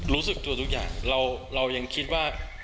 รู้สึกตัวทุกอย่างเรายังคิดว่า